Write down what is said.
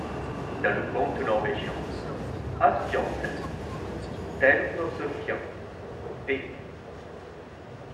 Dans le conte norvégien (Asbjœrnsen, _Tales of the Fjeld_, p.